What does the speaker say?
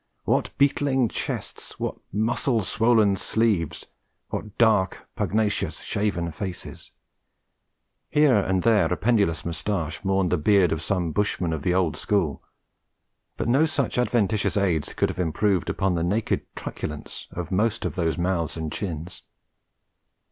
What beetling chests, what muscle swollen sleeves, what dark, pugnacious, shaven faces! Here and there a pendulous moustache mourned the beard of some bushman of the old school; but no such adventitious aids could have improved upon the naked truculence of most of those mouths and chins.